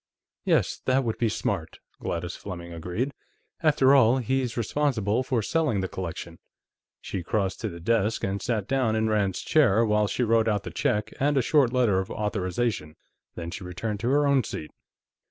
"Yes. That would be smart," Gladys Fleming agreed. "After all, he's responsible for selling the collection." She crossed to the desk and sat down in Rand's chair while she wrote out the check and a short letter of authorization, then she returned to her own seat.